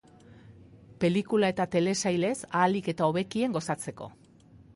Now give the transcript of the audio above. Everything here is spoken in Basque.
Pelikula eta telesailez ahalik eta hobekien gozatzeko.